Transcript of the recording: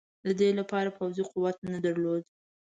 د دې لپاره پوځي قوت نه درلود.